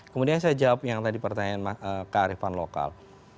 kemudian saya jawab yang tadi pertanyaan kak ariefan lokal